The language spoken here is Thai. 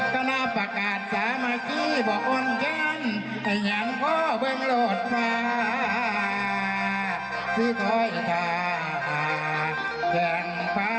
ก็นาประกาศสามัคคีบของคนแจ้ง